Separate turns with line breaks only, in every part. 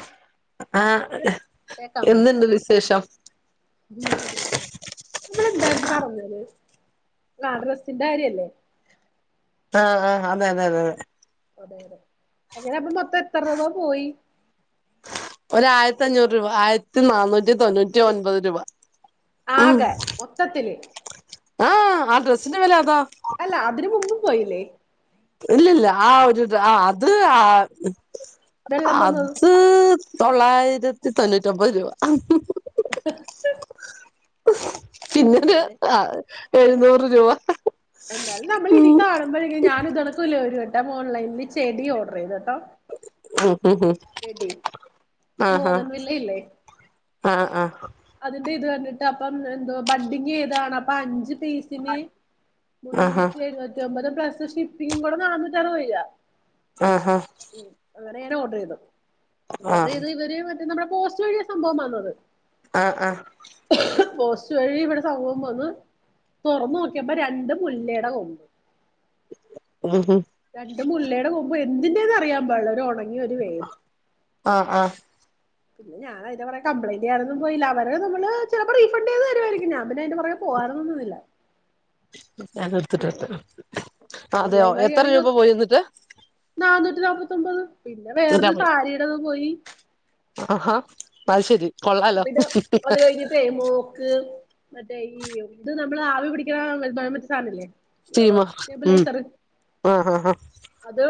Hello
ആഹ് എന്തുണ്ട് വിശേഷം?
ഉം സുഖം ഒക്കെയ - നമ്മള് എന്തായിരുന്നു പറഞ്ഞല് നാഡ്രസിന്റെ കാര്യല്ലേ?
ആഹ് ആഹ് അതെ അതെ അതെ അതെ
അതതെ അങ്ങനെ അപ്പൊ മൊത്തം എത്ര രൂപ പോയി?
ഒരു ആയിരത്തി അഞ്ഞൂറ് രൂപ ആയിരത്തി നന്നൂറ്റി തൊണ്ണൂറ്റി ഒൻപത് രൂപ- ഉം
ആകെ മൊത്തത്തില്?
ആഹ് ആഹ് ഡ്രസ്സിന്റെ വില അതാ-
അല്ല അതിനന് മുമ്പും പോയില്ലേ?
ഇല്ലല്ല ആഹ് ഒരു അത് ആഹ്
വെള്ളം തന്നത്
അത് തൊള്ളായിരത്തി തൊണ്ണൂറ്റി ഒമ്പത് രൂപ.
അയ്യോ
പിന്നൊരു-
ദൈവമേ
എഴുന്നൂറ് രൂപ-
എന്നാലും നമ്മൾ
ഉം
ഇനി കാണുമ്പോഴ ഞാൻ ഇതകണക്കില്ലേ ഒരു വട്ടം ഓൺലൈനിൽ ചെടി ഓർഡർ ചെയ്ത് കേട്ടോ-
ഉം ഉം ഉം..
ചെടി
ആഹാ
ബോഗൻവില്ല ഇല്ലേ-
ആഹ് ആഹ്
അതിന്റെ ഇത് കണ്ടിട്ട് അപ്പം എന്തോ ബഡിങ് ചെയ്തതാണ് അപ്പൊ അഞ്ച് പീസ് ഇതിന്
ആഹാ
മുന്നൂറ്റി എഴുപത്തി ഒമ്പത് പ്ലസ്സ് ഷിപ്പിങ്ങും കൂടെ നന്നൂറ്റ പോയ
ആഹ് ആഹ്
ഉം അങ്ങനെ ഞാൻ ഓർഡർ ചെയ്തു ഓർഡർ
ആഹ്
ചെയ്ത് ഇവര് മറ്റേ നമ്മുടെ പോസ്റ്റ് വഴിയ സംഭവം വന്നത്-
ആഹ് ആഹ്
പോസ്റ്റ് വഴി ഇവിടെ സംഭവം വന്ന് തുറന്ന് നോക്കിയപ്പോ രണ്ടും
ആഹ് ആഹ്
രണ്ട് മുല്ലയുടെ കൊമ്പ് എന്തിന്റെയെന്ന് അറിയാൻ പാടില്ല ഒരു ഉണങ്ങിയ ഒരു വേര്-
ആഹ് ആഹ്
പിന്നെ ഞാൻ- അതിന്റെറ കംപ്ലയിന്റെന്നും പോയില്ല അവരെ നമ്മൾ ചിലപ്പോ റീഫണ്ട് ചെയ്തു തരുമായിരിക്ക ഞാൻ പിന്നെതിന്റഞ്ഞ പോകറൊന്നുമില്ല-
[unintelligible] അതെയോ എത്ര രൂപ പോയി എന്നിട്ട്?
നാന്നൂറ്റി നാപ്പത്തൊമ്പത്. പിന്നെ വേറൊരു സാരിയുടെതും പോയി.
അഹാ അതു ശരി.
പിന്നെ അത് കഴിഞ്ഞ് [unintelligible] മോക്ക് മറ്റേ ഈ ഇത് നമ്മള് ആവി പിടിക്ക്ണ [unintelligible] സാനല്ലേ
സ്റ്റീമ ഉം ആഹാ
അത്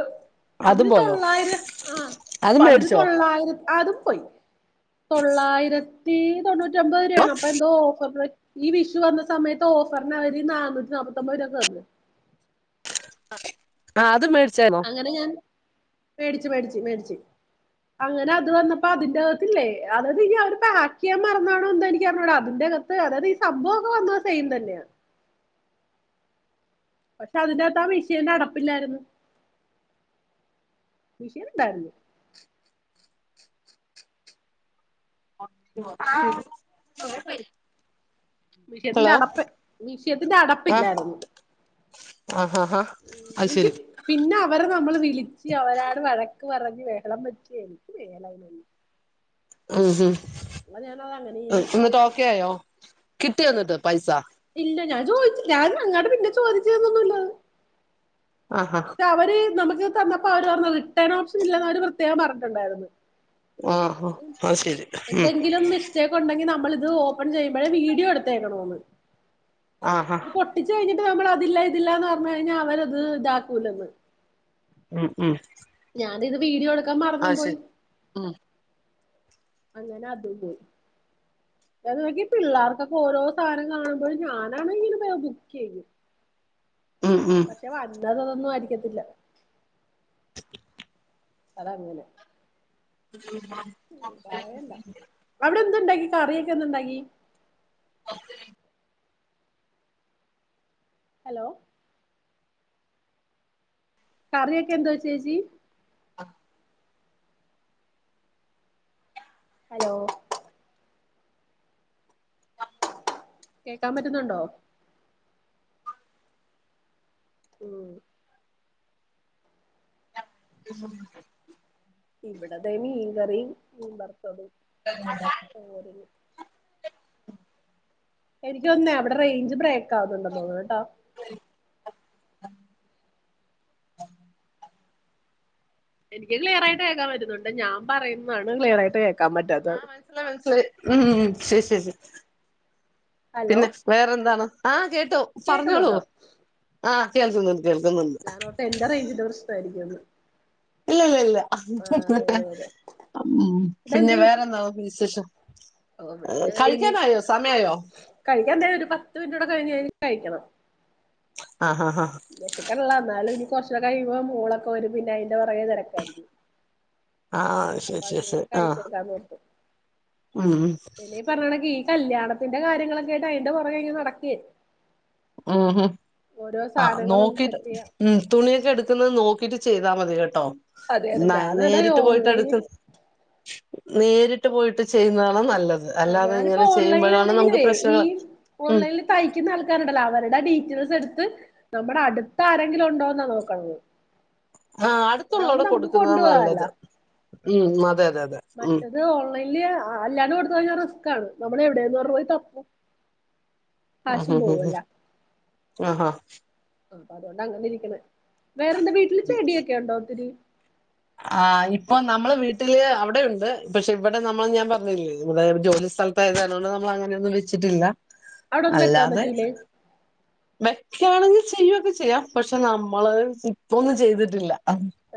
അതിന്
പോയോ
തൊള്ളായിരം ആഹ്,
അത്
പഅതിന്
മേടിച്ചോ
തൊള്ളായിരം അതും പോയി. തൊള്ളായിരത്തീ തൊണ്ണൂറ്റമ്പത് രൂപേണ്.
ആഹ്
അപ്പൊ എന്തോ ഓഫർല് ഈ വിഷു വന്ന സമയത്തോഫർനവര് നാനൂറ്റി നാപ്പത്തൊമ്പത് രൂപക്ക് തന്ന്.
ആഹ് അത് മേടിച്ചേന്നൊ?
അങ്ങനെ ഞാൻ മേടിച്ച് മേടിച്ച് മേടിച്ച്. അങ്ങനെ അത് വന്നപ്പോ അതിന്റകത്തില്ലേ, അതത് ഇനി അവര് പാക്കെയ്യാൻ മറന്നാണോ എന്തോ എനിക്കറി ഞ്ഞൂടാ അതിന്റകത്ത് അതതീ സംഭവൊക്കെ വന്നത് സെയിം തന്നെയാ. ബട്ടതിന്റകത്താ മിഷീന്റെ അടപ്പില്ലായിര്ന്ന്. മിഷീന്ണ്ടായിര്ന്ന്.
[unintelligible]
മിഷിയത്തിന്റെ
ഹലോ
അടപ്പ്, മിഷിയത്തിന്റെ അടപ്പില്ലായിരുന്നു.
ആ ഹാ ഹാ
[unintelligible] പിന്നെ അവര് നമ്മള് വിളിച്ച്, അവരാട് വഴക്ക് പറഞ്ഞ്, ബഹളം വെച്ച് എനിക്ക് മേല അയ്നൊന്നും.
അം ഹും
[unintelligible] അങ്ങനീം വിട്ട്
ക്കേയോ. കിട്ട്യോ ന്ന്ട്ട് പൈസ?
ഇല്ല ഞാൻ ചോയ്ച്ച്, ഞാനു അങ്ങാട്ട് പിന്നെ ചോദിച്ച് ചെന്നൊന്നുമില്ല.
ആഹാ
അവര് നമക്ക് തന്നപ്പൊ അവര് പറഞ്ഞു, റിട്ടേൺ ഓപ്ഷൻ ഇല്ലെന്ന് അവര് പ്രത്യേകം പറഞ്ഞിട്ടുണ്ടായിര്ന്ന്.
ആഹ അത് ശരി. മ്ഹ്
ഉണ്ടെങ്കി നമ്മളിത് ഓപ്പൺ ചെയ്യുമ്പഴേ വീഡിയോ എടുത്തേക്കണമെന്ന്.
ആഹാ.
പൊട്ടിച്ച് കഴിഞ്ഞിട്ട് നമ്മളതില്ല, ഇതില്ല എന്ന് പറഞ്ഞ് കഴിഞ്ഞാ, അവരത് താക്കൂലന്ന്.
ഉം ഉം
ഞാനിത് വീഡിയോ എട്
അത് ശരി മ്മ്ഹ്.
അങ്ങനെ അതും പോയി. [unintelligible] പിള്ളാർക്കൊക്കെ ഓരോ സാനം കാണുമ്പഴും ഞാനാണങ്കില് പ ബുകെയ്യും
ഉം ഉം
വന്നത് അതൊന്നും ആയിരിക്കത്തില്ല. അതങ്ങനെ.
[unintelligible]
അവിടെ എന്തുണ്ടാക്കി, കറിയൊക്കെ എന്തുണ്ടാക്കി?
[unintelligible]
ഹലോ. കറിയൊക്കെ എന്തോ ചേച്ചീ?
ആഹ്
ഹലോ.
[unintelligible]
കേക്കാൻ പറ്റുന്നുണ്ടോ? മ്ഹ്
[unintelligible]
ഇവിടതേ മീൻകറിം, മീൻ വറ്ത്തതും.
അച്ചാർണ്ട്
അ ഓരത് [unintelligible] എനികൊന്നേ അവിടെ റെയ്ഞ്ച് ബ്രേക്കവുന്നുണ്ടന്ന് തോന്നുന്നുട്ടോ
[inaudible]
എനിക്ക് ക്ലിയറായിട്ട് കേക്കാൻ പറ്റുന്നുണ്ട് ഞാൻ പറയുന്നണ് ക്ലിയറാ യിട്ട് കേൾക്കാൻ പറ്റാത്ത്
മനസിലായി മനസ്സിലായി മ്മ്ഹ് ശരി ശരി ശരി
ഹലോ
പിന്നെ.. വേറെ എന്താണ് ആഹ് കേട്ടു പറഞ്ഞോളൂ
കേൾക്കുന്നുണ്ടോ
ആഹ് കേൾക്കുന്നുണ്ട് കേൾക്കുന്നുണ്ട്.
ഞാനോർത്ത് എന്റെ റേഞ്ച്ന്റെ പ്രശ്നായിരിക്കുംഎന്ന
ഇല്ല ഇല്ല
അതെ
ഇല്ല
അതെ അതെ
ഉം പിന്നെ
ഇതെന്തേ
വേറെന്താന്നാ വിശേഷം
ഓ
കഴിക്കാനായോ സമയയായോ
കഴിക്കൻ എന്തായാലും ഒരു പത്ത് മിൻറ്റുടെ കഴിഞ്ഞയ്ഞ കഴിക്കണം
ആഹ് ആഹ് ആഹ്
വെശക്ക്ണ്ള്ള എന്നാലും ഇനി കൊറച്ചൂടെ കഴിമ്പം മൂളൊക്കെ വരും പിന്നെ അയിന്റെ പുറകെ തെരക്കായിരിക്കും
ആഹ് ശരി ശരി
മുമ്പ്
ശരി ആഹ്
കഴിച്ചേക്കാന്നോർത്തു
ഉം
പർഞ്ഞ്ണെങ്കി ഈ കല്യാണത്തിന്റെ കാര്യങ്ങളൊക്ക ആയിട്ട് അയ്ന്റെ പുറകെ ഇങ്ങനെ നടക്കേ
ഉം ഹും
ഓരോ
ആഹ്
സാധനങ്ങളും
നോക്കിട്ട്
സെറ്റ് ചെയ്യാ
ഉം തുണിയൊക്കെ എടുക്കുന്നത് നോക്കിട്ട് ചെയ്താൽ മതി കേട്ടോ
അതെ അതെ ഞാനതാ
നേരിട്ട് പോയിട്ട്
ഓൺലൈന്
എടുക്കുന്ന നേരിട്ട് പോയിട്ട് ചെയ്യുന്നതാണ് നല്ലത് അല്ലാതെ
ഞാനിപ്പോ
ഇങ്ങനെ ചെയ്യുമ്പോഴാണ് നമുക്ക്
ഓൺലൈനിലാണെങ്കിലേ ഈ
പ്രശ്നങ്ങള് ഉം
ഓൺലൈനിൽ തയ്ക്കുന്ന ആൾക്കാരുണ്ടല്ലോ അവരുടെ ഡീറ്റയ്ൽസ് എടുത്ത് നമ്മുടെ അടുത്തരെങ്കിലും ഉണ്ടോന്നാ നോക്കണത്
ആഹ്
ഇതാവുമ്പോ
അടുത്തുള്ളൂടെ
നമുക്ക്
കൊടുക്കുന്നതാ
കൊണ്ടു
നല്ലത്
പോകാല്ലോ
ഉം അതെ അതെ അതെ ഉം
മറ്റത് ഓൺലൈനില് അല്ലാണ്ട് കൊടുത്തു കഴിഞ്ഞാൽ റിസ്കാണ് നമ്മൾ എവിടെന്ന് പോയി തപ്പും കാശും
ആഹ് ഹ് ഹ് ഹ്
പോവല്ലോ
ആഹ് ഹാ
ആഹ് അപ്പൊ അതുകൊണ്ടാ അങ്ങനെ ഇരിക്കണ്. വേറെ എന്താ വീട്ടില് ചെടിയൊക്കെ ഉണ്ടോ ഒത്തിരി
ആഹ് ഇപ്പൊ നമ്മള് വീട്ടില് അവിടെയുണ്ട് പക്ഷെ ഇവിടെ നമ്മൾ ഞാൻ പറഞ്ഞില്ലേ ജോലി സ്ഥല ത്തായത് കാരണം കൊണ്ട് നമ്മൾ അങ്ങനൊന്നും വെച്ചിട്ടില്ല
അവിടൊന്നും വെക്കാൻ പറ്റൂലേ
വെക്കയാണെങ്കിൽ ചെയ്യുവൊക്കെ ചെയ്യാം പക്ഷെ നമ്മള് ഇപ്പൊന്നും ചെയ്തിട്ടില്ല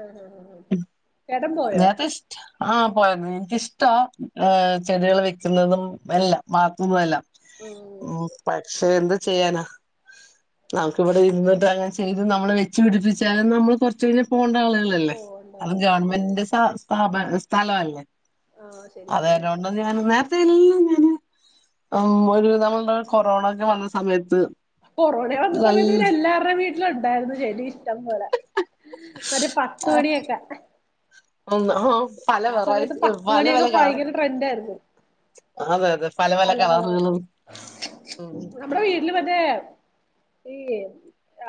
ആഹ് ആഹ് ആഹ് അഹ്
ഉം [unintelligible] ആഹ് പോയരുന്നു എനിക്കിഷ്ടാ ഏഹ് ചെടികൾ വെക്കുന്നതും എല്ലാം മാത്തുന്നല്ലം ഉം പക്ഷെ എന്ത് ചെയ്യാനാ നമുക്ക് ഇവിടെ ഇരുന്നിട്ട് അങ്ങനെ ചെയ്ത് നമ്മള് വെച്ച് പിടിപ്പിച്ചാലും നമ്മൾ കൊറച്ച് കഴിഞ്ഞപോണ്ട ആളുകളല്ലേ
പോവണ്ടവാ
അത് ഗവൺമെന്റിന്റെ സ സ്ഥാപന സ്ഥലവല്ലേ
ആഹ് ശരിയ ശരിയ
അതര്നോണ്ട് ഞന് ന്നാ തെല്ലും ന്നാലും ഉം ഒരു വിധ നമ്മളുടെ കൊറോണ ഒക്കെ വന്ന സമയത്ത്
കൊറോണ വന്ന സമയത്ത്
നല്ല
പിന്നെ ല്ലാർടേം വീട്ടിലുണ്ടാർന്നു ചെടി ടം പോലെ മറ്റേ പത്ത് മണിയൊക്കാ
ഉം ആഹ് പല വെറൈ
സമയത്ത് പത്ത്
പല വല
മണിയൊക്കെ
കളറും
ഭയങ്കര ട്രെൻഡ് ആയിരുന്നു
അതെ അതെ പല വല കളറ്കളും [unintelligible]
ന്നമ്ടെ വീട്ടില് മറ്റേ ഈ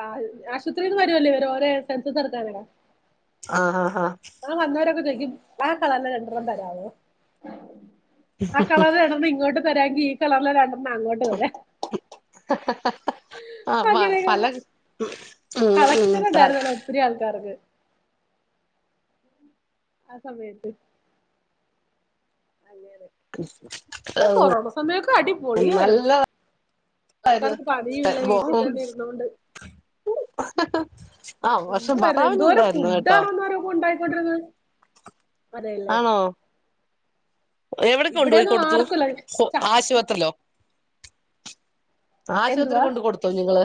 ആ ആശുപത്രിയിൽന്ന് വരുവല്ലേ ഇവരോരെ സെൻസ് എട്ക്കാൻ വ്ടെ
ആഹ് ആഹ് ആഹ്
അങ്ങനെ വന്നോരൊക്കെ ചോയ്ക്കും ആ കളർലെ രണ്ടെണ്ണം തരാവോ ആഹ് കളർ രണ്ടണ്ണം ഇങ്ങോട്ട് തരാങ്കി ഈ കളറിൽ രണ്ടെണ്ണം അങ്ങോട്ട് തരാ
ആഹ്
അങ്ങനെയൊക്കെ
ഫല
കളക്ഷൻ
[unintelligible]
ഉണ്ടായിരുന്നല്ലോ ഒത്തിരി ആൾക്കാർക്ക് ആ സമയത്ത് ഷെ കൊറോണ സമയൊക്കെ അടിപൊളിയാര്ന്ന്
നല്ലതായിരുന്നു
ആർക്കാർക്ക് പണിയും ഇല്ല വീട്ടിൽ തന്നെ ഇര്ന്നോണ്ട്
ആ പക്ഷെ
എന്ത് വാര്ന്ന്
ഭർത്താവിന്
എന്തോരം
ഉണ്ടായിരുന്നു
ഫുഡ്ഡ
കേട്ടോ
ണന്നേരക്കെ ഉണ്ടായിക്കൊണ്ടിരുന്നത് അതെയല്ലേ
ആണോ എവിടെ കൊണ്ട് പോയി
ഇവിടെയൊന്നും
കൊടുത്തു
ആർക്കുല്ല
കൊ
ച
ആശുപത്രിലോ ആശുപത്രി
എന്തുവാ
കൊണ്ട് കൊടുത്തോ നിങ്ങള്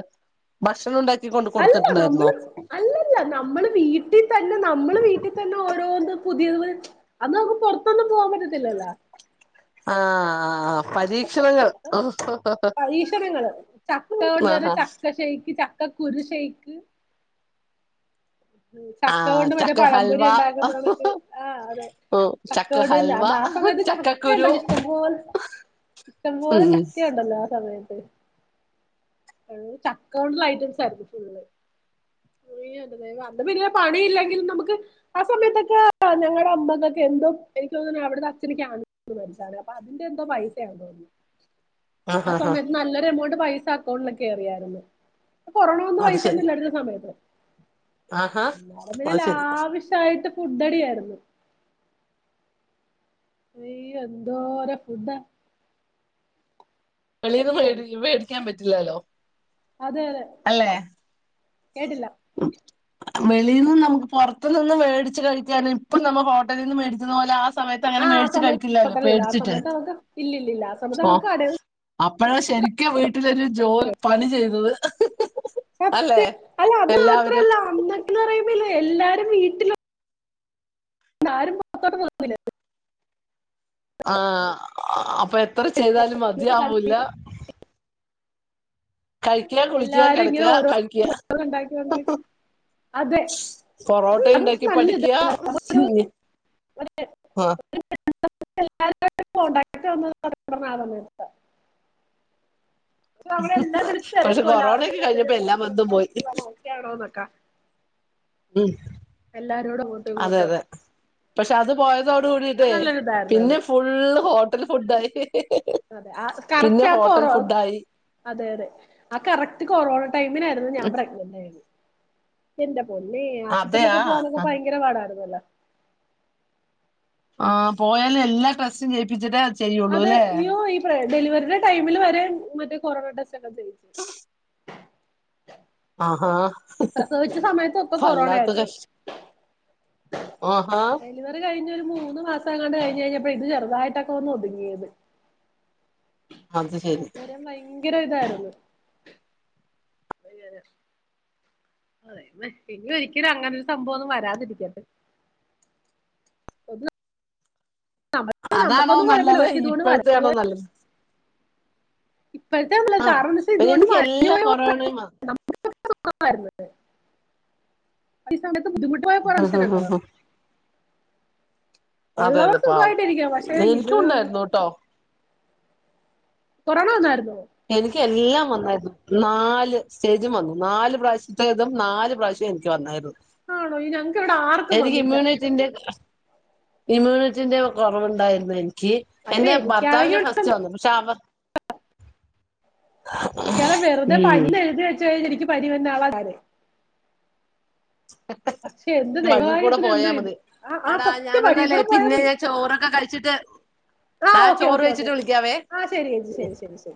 ഭക്ഷണം ഉണ്ടാക്കി കൊണ്ട്
അല്ല
കൊടുത്തിട്ടുണ്ടായിരുന്നോ
നമ്മള് അല്ലല്ല നമ്മള് വീട്ടിൽ തന്നെ നമ്മള് വീട്ടിൽ തന്നെ ഓരോന്ന് പുതിയത് അന്ന് നമുക്ക് പുറത്തൊന്നും പോകാൻ പറ്റത്തില്ലല്ലോ
ആഹ് ആഹ് ആഹ് പരീക്ഷണങ്ങൾ
പരീക്ഷണങ്ങള് ചക്ക കൊണ്ട് തന്ന
ആഹാ
ചക്ക ഷെയ്ക്ക് ചക് ക്കകുരുഷെയ്ക്ക്
ആ
ചക്ക കൊണ്ട് മറ്റേ
ചക്ക ഹൽവ
പഴംപൊരി ഉണ്ടാക്കുന്നതൊക്കെ ആഹ് അതെ
ഉം ചക്ക
ചക്കോടല്ല
ഹൽവ
അന്ന് ആ സമയത്ത് ചക്ക
ചക്കക്കുരു
ഇണ്ടല്ലോ ഇഷ്ടംപോൽ ഇഷ്ടംപോലെ
ഉം
ചക്ക ഉണ്ടല്ലോ ആ സമയത്ത് ചക്കകൊണ്ടുള്ള ഐറ്റംസ് ആയിരിക്കും ഫുള്ള് ഉയീ എന്റെ ദേവാ അന്ന് പിന്നെ പണി ഇല്ലെങ്കിൽ നമുക്ക് ആ സമയത്തൊക്കെ ഞങ്ങളുടെ അമ്മക്കൊക്കെ എന്തോ എനിക്ക് തോനുന്നു അവിടെന്ന് അഛന് [unintelligible] മരിച്ചാണ് അപ്പൊ അതിന്റെ എന്തോ പൈസയാ തോന്നുന്നു ആ
ആഹാ ഹാ
സമയത്ത് നല്ലൊരു എമൗണ്ട് പൈസ അക്കൗണ്ടിലക്ക് കേറിയായിര്ന്ന് കൊറോണ വന്നു
അത്
പൈസൊന്നും
ശരി
ഇല്ലായിരുന്ന സമയത്ത്
ആഹാ
എല്ലാരും പിന്നെ
അത് ശരി
ലാവിഷായിട്ട് ഫുഡടിയായിരുന്നു അയ്യോ! എന്തോരം ഫുഡാ
വെളിയിൽ നിന്നൊന്നും മേടിക്കാൻ പറ്റില്ലല്ലോ
അതെ അതെ
അല്ലേ?
കേട്ടില്ല
വെളിയിൽ നിന്ന് നമുക്ക് പുറത്തു നിന്ന് മേടിച്ച് കഴിക്കാന ഇപ്പം നമ്മൾ ഹോട്ടലിൽ നിന്നും മേടിച്ചുതു പോലെ ആ സ സമയത്ത് അങ്ങനെ
ആ
മേടിച്ചു
സമയത്ത്
കഴിക്കില്ലല്ലോ
ഹോട്ടലില്ല ആ
പേടിച്ചിട്ട്
സമയത്ത് നമുക്ക് ഇല്ലില്ലില്ല ആ സമയത്ത് നമുക്ക് കട
അപ്പോഴ ശരിക്കും വീട്ടിലൊരു ജോലി പണി ചെയ്തത് അല്ലെ?
അല്ല അത്
എല്ലാവരും
മാത്രല്ല അന്നൊക്ക പറയുമ്പല്ലെ എല്ലാരും വീട്ടില- ആരും പുറത്തോട്ട് പോവില്ല
ആഹ് അപ്പൊ എത്ര ചെയ്താലും മതിയാവൂല്ല കഴിക്കുക കുളിക്കുക
എല്ലാരും ഇങ്ങനെ
കിടക്കുക
ഓരോ
കഴിക്കുക
ഉണ്ടാക്കി ഉണ്ടാക്കി അതെ അത്
പൊറോട്ട ഉണ്ടാക്കി പഠിക്കുക ആ
[unintelligible] [unintelligible] അപ്പൊ അവിടെ എല്ലാം
പക്ഷെ
വിളിച്ചച്ച്തിരക്കുവല്ല
കൊറോണയൊക്കെ
ആർക്കേലും എന്തേലും
കഴിഞ്ഞപ്പോ എല്ലാ
പ്രശ്നം
ബന്ധം
ഉണ്ടോ
പോയി
എല്ലാരും ഓക്കെ ആണോന്നൊക്കാ
ഉം
എല്ലാരോടും അങ്ങോട്ടും
അതെ
ഇങ്ങോട്ടും
അതെ
ഒക്കെ
പക്ഷെ അത് പോയതോട്
ഞാൻ
കൂടിട്ടേ
നല്ലൊരു ഇതായിരുന്നു അത്
പിന്നെ ഫു- ഫുള്ള് ഹോട്ടൽ ഫുഡായി
അതെ ആ
പിന്നെ
കറക്റ്റ് ആ
ഹോട്ടൽ
കൊറോ -
ഫുഡായി
അതെ അതെ ആ കറക്റ്റ് കൊറോണ ടൈമിനായിരുന്നു ഞാൻ പ്രെഗ്നന്റ് ആയതു എന്റെ പൊന്നെ
അതെയാ
ആശുപത്രിയിലൊക്കെ പോവാനൊക്കെ ഭയങ്കര പാടായിരുന്നല്ലോ
ആഹ് പോയാലെല്ലാ ടെസ്റ്റും ചെയ്യിപ്പിച്ചിട്ടെ
അതെ അയ്യോ ഈ ഡെലിവറുടെ ടൈമിൽ വരെ മറ്റേ കൊറോണ ടെസ്റ്റ് ഒക്കെ ചെയ്
ആഹാ
പ്രസവിച്ച സമയത്തൊക്കെ കൊറോണ
വല്ലാത്ത
ആയിരുന്നു
കഷ്ട ആഹാ
ഡെലിവറി കഴിഞ്ഞ് ഒരു മൂന്ന് മാസങ്ങാണ്ട് കഴിഞ് കഴിഞ്ഞപ്പോ ഇത് ചെറുതായിട്ടൊക്കെ ഒന്ന് ഒതുങ്ങിയത് അത് വരെയും ഭയങ്കര ഇതായിരുന്നു അതെ ഇനി ഒരിക്കലും അങ്ങനൊരു സംഭവം ഒന്നും വരാതിരിക്കട്ടെ ഒന്ന്
അതാണോ
നമുക്കൊന്നും കുഴപ്പമില്ല
നല്ലത്?
പക്ഷെ ഇതുകൊണ്ട് വര
ഇപ്പോഴത്തെ ആണോ നല്ലത്?
ഇപ്പോഴത്തെയാ നല്ലത്
ആ
കാരണന്നുച്ചാ ഇതുകൊണ്ട്
എനിക്ക് എല്ലാ കൊറോണയും
[unintelligible] സമയത്ത് ബുദ്ധിമുട്ട് [inaudible]
ആഹ് ആഹ്
മനുഷ്യരുണ്ടല്ലോ
ആഹ് അതെ അതെ
ഉള്ളവർക്ക്
പാവം
സുഖായിട്ടിരിക്ക പക്ഷേ ഇത്
എനിക്കും ഉണ്ടായിരുന്നു ട്ടോ
കൊറോണ വന്നായിരുന്നോ
എനിക്ക് എല്ലാം വന്നായിരുന്നു നാല് സ്റ്റേജും വന്നു നാല് പ്രാവശ്യത്തതും നാല് പ്രാവശ്യം എ- വന്നായിരുന്നു
ആണോ ഞങ്ങക്ക് ഇവിടെ ആർക്കും വന്നില്ല
ഇമ്യൂണിറ്റിന്റെ കുറവുണ്ടായിരുന്നു എനിക്ക്
അയ്യോ
എന്റെ ഭർത്താവിനെ
എനിക്കാണെങ്കിൽ
ഫസ്റ്റ് വന്നു പക്ഷെ അവർ
ഇയ്യാൾ വെറുതെ പനിന്ന്
ഉം
എഴുതി വെച്ച കഴിഞ്ഞാൽനിക്ക്നി പനി വന്ന ആളാണ പക്ഷെ എന്ത്
[inaudible] വഴി കൂടെ
ദൈവഭാഗ്യത്തിന് എന്തോ
പോയാ
ഇത്
മതി
ആ ആ
അടാ
സത്യം വഴി
ഞാനൊന്നല്ലേ
കൂടെ പോയാ
പിന്നെ
മതി
ഞാൻ ചോറൊക്കെ കഴിച്ചിട്ട്-
ആ
ട
ഓക്കെ
ചോറ്
ഓക്കെ ഓക്കെ
കഴിച്ചിട്ട് വിളിക്കാവേ
ആ ശരി ചേച്ചി ശരി ശരി ശരി